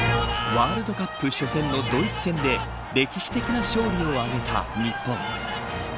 ワールドカップ初戦のドイツ戦で歴史的な勝利を挙げた日本。